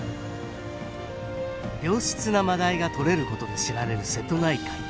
良質な真鯛がとれることで知られる瀬戸内海。